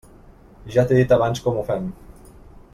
Ja t'he dit abans com ho fem.